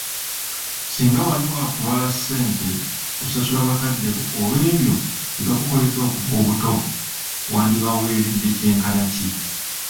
Singa wali waakubala ssente kusasula bakadde bo olwebyo bye bakukoledde okuva obuto, wandibaweeredde ky'enkana ki ?